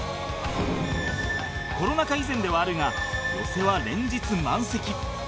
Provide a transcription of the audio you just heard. コロナ禍以前ではあるが寄席は連日満席